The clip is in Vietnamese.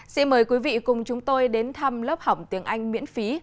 xin mời quý vị cùng chúng tôi đến thăm lớp học tiếng anh miễn phí